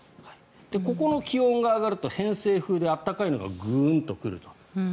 ここの気温が上がると偏西風で、暖かいのがグーンと来ると。